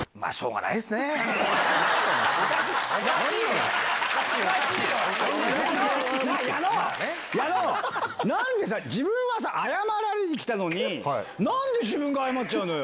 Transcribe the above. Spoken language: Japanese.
なんでさ、自分はさ、謝られにきたのに、なんで自分が謝っちゃうのよ。